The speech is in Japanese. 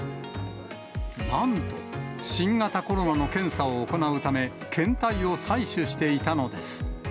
なんと、新型コロナの検査を行うため、検体を採取していたのです。